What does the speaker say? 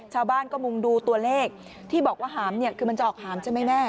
ชาวบ้านก็มุ่งดูตัวเลขที่บอกว่าหามเนี่ยคือมันจะออกหามใช่ไหมแม่